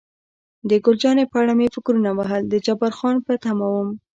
د ګل جانې په اړه مې فکرونه وهل، د جبار خان په تمه وم.